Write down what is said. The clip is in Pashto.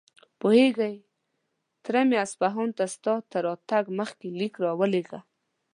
پوهېږې، تره مې اصفهان ته ستا تر راتګ مخکې ليک راولېږه.